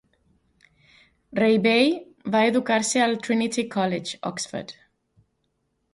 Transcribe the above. Reibey va educar-se al Trinity College, Oxford.